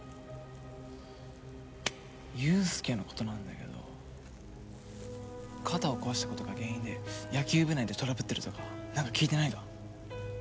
雄亮の事なんだけど肩を壊した事が原因で野球部内でトラブってるとかなんか聞いてないか？